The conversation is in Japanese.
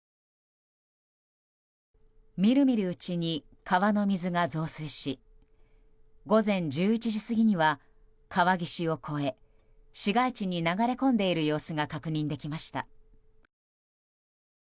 みるみるうちに、川の水が増水し午前１１時過ぎには川岸を越え市街地に流れ込んでいる様子が確認できました。